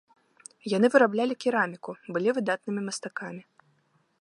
Яны выраблялі кераміку, былі выдатнымі мастакамі.